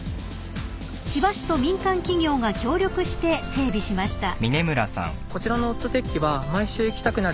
［千葉市と民間企業が協力して整備しました］